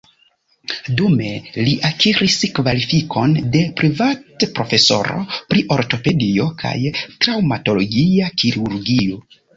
Dume li akiris kvalifikon de privatprofesoro pri ortopedio kaj traŭmatologia kirurgio.